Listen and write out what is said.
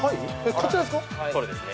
◆こちらですか？